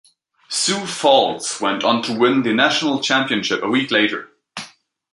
Sioux Falls went on to win the National Championship a week later.